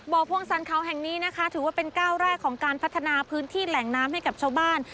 พวงสรรเขาแห่งนี้นะคะถือว่าเป็นก้าวแรกของการพัฒนาพื้นที่แหล่งน้ำให้กับชาวบ้าน